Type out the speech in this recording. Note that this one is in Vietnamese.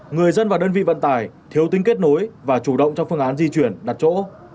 người dân và đơn vị vận tải thiếu tính kết nối và chủ động trong phương án di chuyển đặt chỗ